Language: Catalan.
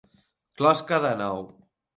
Closca de nou.